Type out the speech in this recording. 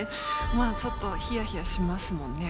まあちょっとひやひやしますもんね